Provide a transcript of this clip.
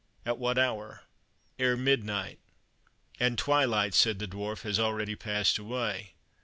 at what hour?" "Ere midnight." "And twilight," said the Dwarf, "has already passed away.